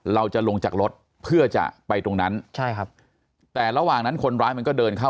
เราจะลงจากรถเพื่อจะไปตรงนั้นใช่ครับแต่ระหว่างนั้นคนร้ายมันก็เดินเข้า